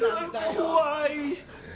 怖い！